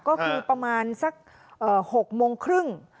ก็คือประมาณสัก๖โมงครึ่ง